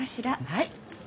はい。